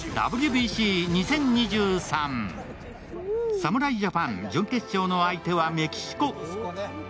侍ジャパン、準決勝の相手はメキシコ。